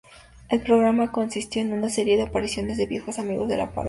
El programa consistió en una serie de apariciones de viejos amigos de la pareja.